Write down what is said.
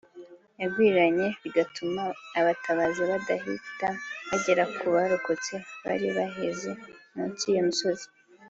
yagwiriranye bigatuma abatabazi badahita bagera ku barokotse bari baheze munsi y’iyo mizigo